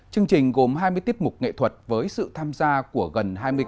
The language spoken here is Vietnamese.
chương trình gồm hai mươi tiết mục nghệ thuật với sự tham gia của gần hai mươi ca sĩ nghệ sĩ